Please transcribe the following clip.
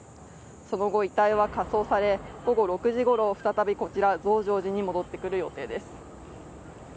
その後、遺体は火葬され、午後６時ごろ、再びこちら、増上寺に戻ってくる予定です。